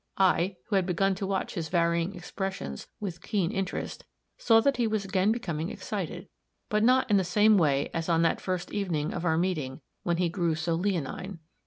I, who had begun to watch his varying expressions with keen interest, saw that he was again becoming excited; but not in the same way as on that first evening of our meeting, when he grew so leonine.